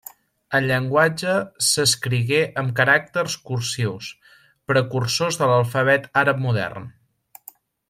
El llenguatge s'escrigué amb caràcters cursius precursors de l'alfabet àrab modern.